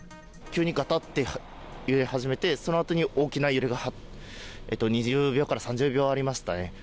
急にがたって揺れ始めて、そのあとに大きな揺れが２０秒から３０秒ありましたね。